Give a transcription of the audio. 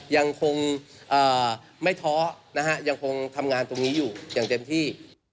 ยังคงไม่ท้อนะฮะยังคงทำงานตรงนี้อยู่อย่างเต็มที่